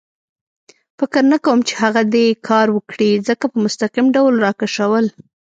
فکر نه کوم چې هغه دې کار وکړي، ځکه په مستقیم ډول را کشول.